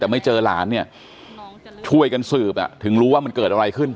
แต่ไม่เจอหลานเนี่ยช่วยกันสืบอ่ะถึงรู้ว่ามันเกิดอะไรขึ้น